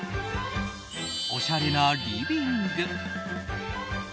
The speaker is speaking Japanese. おしゃれなリビング。